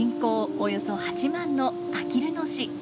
およそ８万のあきる野市。